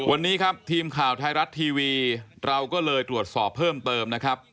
วันนี้ครับทีมข่าวไทยรัฐทีวีเราก็เลยตรวจสอบเพิ่มเติมนะครับ